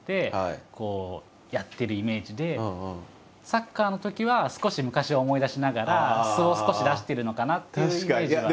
サッカーのときは少し昔を思い出しながら素を少し出してるのかなっていうイメージは。